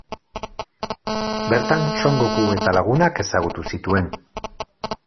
Bertan Son Goku eta lagunak ezagutu zituen.